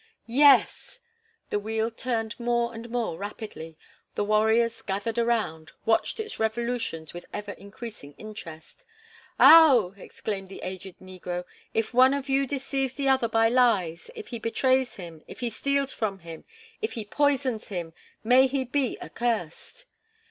"Yes!" The wheel turned more and more rapidly. The warriors, gathered around, watched its revolutions with ever increasing interest. "Ao!" exclaimed the aged negro, "if one of you deceives the other by lies, if he betrays him, if he steals from him, if he poisons him, may he be accursed!"